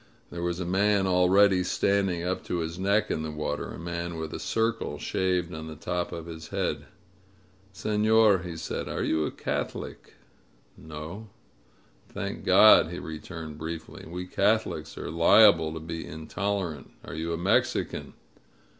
There was a man already standing up to his neck in the water, a man with a circle shaved on the top of his head. "Seflior," he said, "are you a Catholic?" 94 MEE STERNS FLIGHT "No.'' "Thank God," he returned briefly. "We Catholics are liable to be intolerant. Are you a Mexican?"